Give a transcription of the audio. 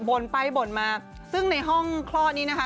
บ่นไปบ่นมาซึ่งในห้องคลอดนี้นะคะ